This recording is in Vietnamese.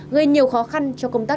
gây nhiều khó khăn cho công ty này